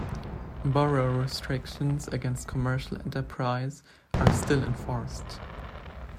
Borough restrictions against commercial enterprise are still enforced.